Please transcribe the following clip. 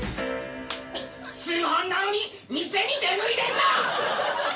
通販なのに店に出向いてんな！